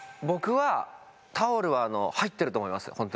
ボクはタオルは入ってると思いますよ